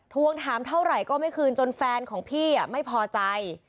ทวงถามเท่าไหร่ก็ไม่คืนจนแฟนของพี่ไม่พอใจ